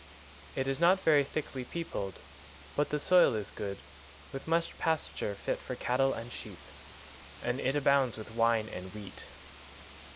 135 It is not very thickly peopled, but the soil is good, with much pasture fit for cattle and sheep, and it abounds with wine and wheat.